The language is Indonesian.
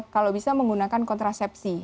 kalau bisa menggunakan kontrasepsi